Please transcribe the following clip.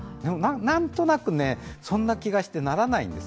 何となくそんな気がしてならないんです。